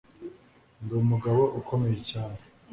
ndi umugabo ukomeye cyane